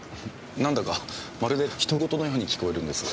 なんだかまるで他人事のように聞こえるんですが。